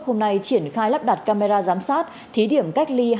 hôm nay triển khai lắp đặt camera giám sát thí điểm cách ly